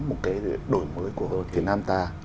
một cái đổi mới của việt nam ta